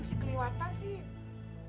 lo sih keliwatan sih